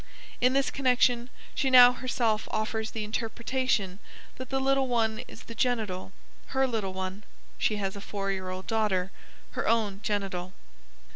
In this connection she now herself offers the interpretation that the little one is the genital, her little one (she has a four year old daughter) her own genital.